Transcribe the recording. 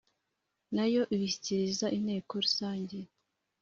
Na yo ibishyikiriza inteko rusange